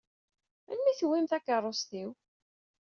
Melmi i tewwim takeṛṛust-iw?